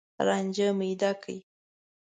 رانجه میده کړي